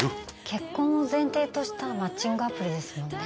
結婚を前提としたマッチングアプリですもんね